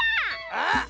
あっ！